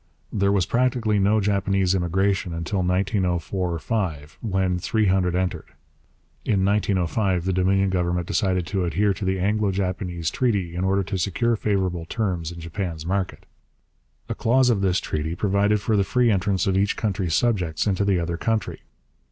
There was practically no Japanese immigration until 1904 5, when three hundred entered. In 1905 the Dominion Government decided to adhere to the Anglo Japanese treaty in order to secure favourable terms in Japan's market. A clause of this treaty provided for the free entrance of each country's subjects into the other country.